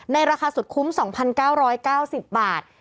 ราคาสุดคุ้ม๒๙๙๐บาท